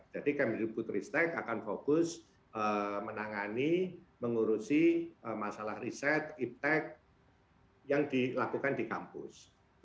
jadi kmt putra akan fokus menangani mengurusi masalah riset iptec yang dilakukan di kampus